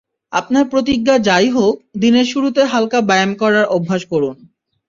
আপনার প্রতিজ্ঞা যা–ই হোক, দিনের শুরুতে হালকা ব্যায়াম করার অভ্যাস করুন।